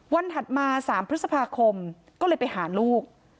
ถัดมา๓พฤษภาคมก็เลยไปหาลูก